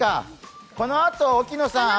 このあと沖野さん